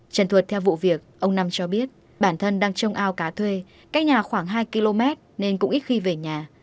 trần thuật theo vụ việc ông năm cho biết bản thân đang trong ao cá thuê cách nhà khoảng hai km nên cũng ít khi về nhà